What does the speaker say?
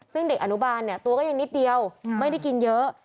ซึ่งเด็กอนุบาลเนี่ยตัวก็ยังนิดเดียวไม่ได้กินเยอะ